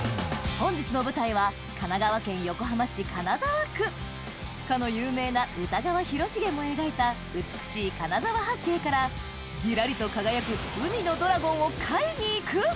本日の舞台はかの有名な歌川広重も描いた美しい金沢八景からぎらりと輝く海のドラゴンを狩りに行く！